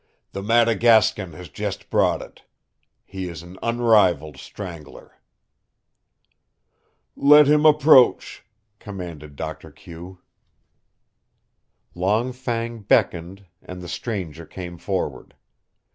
"The Madagascan has just brought it. He is an unrivaled strangler." "Let him approach," commanded Doctor Q. Long Fang beckoned, and the Strangler came forward.